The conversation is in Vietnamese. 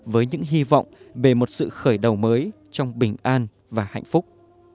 với những hy vọng về một sự khởi đầu mới trong bình an và hạnh phúc